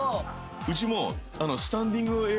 うちも。